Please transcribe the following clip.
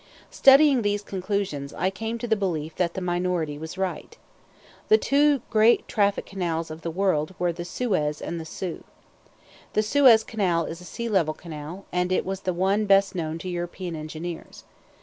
Studying these conclusions, I came to the belief that the minority was right. The two great traffic canals of the world were the Suez and the Soo. The Suez Canal is a sea level canal, and it was the one best known to European engineers.